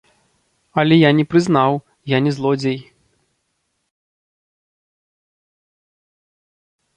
Але я не прызнаў, я не злодзей.